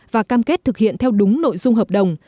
và cam kết thực hiện theo đúng nội dung hợp đồng